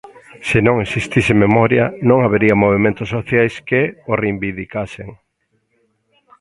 Se non existise memoria non habería movementos sociais que o reivindicasen.